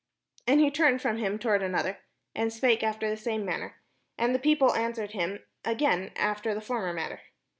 " And he turned from him toward another, and spake after the same manner: and the people an swered him again after the former manner.